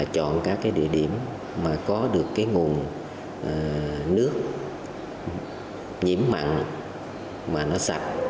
chọn các địa điểm có được nguồn nước nhiễm mặn mà nó sạch